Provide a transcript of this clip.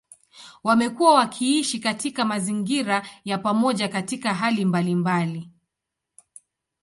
Wamekuwa wakiishi katika mazingira ya pamoja katika hali mbalimbali.